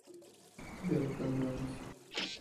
Dead Can Dance